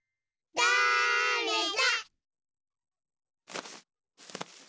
だれだ？